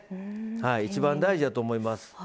一番大事やと思います。